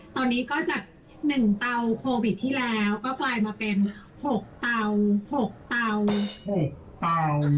ตอนนี้ก็จะหนึ่งเต่าโควิดที่แล้วก็กลายมาเป็นหกเต่า